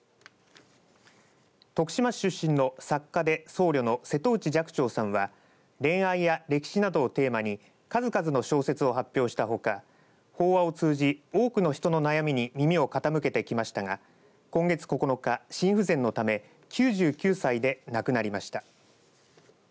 徳島市出身の作家で僧侶の瀬戸内寂聴さんは恋愛や歴史などをテーマに数々の小説を発表したほか法話を通じ、多くの人の悩みに耳を傾けてきましたが今月９日、心不全のため９９歳で亡くなりました。